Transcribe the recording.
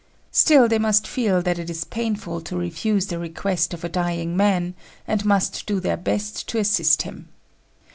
Still they must feel that it is painful to refuse the request of a dying man, and must do their best to assist him.